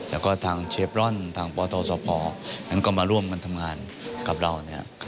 แล้วก็ทางเชฟร่อนทางปทศพนั้นก็มาร่วมกันทำงานกับเราเนี่ย